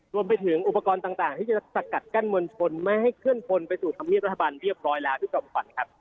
รวมไปถึงอุปกรณ์ต่างที่จะสกัดกั้นมวลชนไม่ให้เคลื่อนพลไปสู่ธรรมเนียบรัฐบาลเรียบร้อยแล้วพี่จอมขวัญครับ